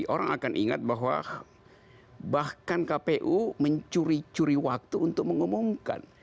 orang akan ingat bahwa bahkan kpu mencuri curi waktu untuk mengumumkan